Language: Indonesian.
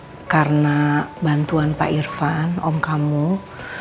dia yang meminta ke dokter edward kong untuk memberikan kesempatan nino didaftarkan di pasien prioklipi com